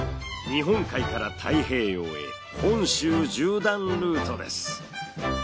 日本海から太平洋へ本州縦断ルートです。